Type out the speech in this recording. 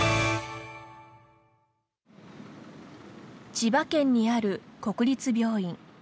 千葉県にある国立病院。